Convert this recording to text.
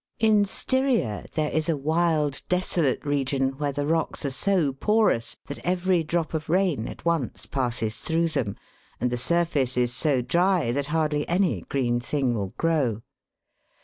61 In Styria there is a wild desolate region, where the rocks are so porous that every drop of rain at once passes through them, and the surface is so dry that hardly any green thing will grow.